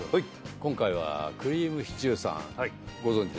今回はくりぃむしちゅーさんご存じでしょ？